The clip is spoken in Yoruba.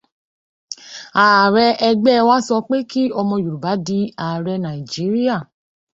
Ààrẹ ẹgbẹ wa sọ pé kí ọmọ Yorùbá di ààrẹ Nàíjíríà.